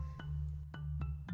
kepala polres sula dan jajarannya